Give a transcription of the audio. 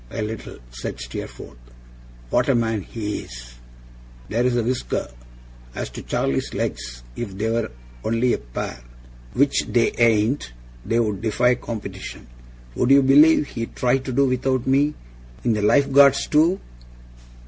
'A little,' said Steerforth. 'What a man HE is! THERE'S a whisker! As to Charley's legs, if they were only a pair (which they ain't), they'd defy competition. Would you believe he tried to do without me in the Life Guards, too?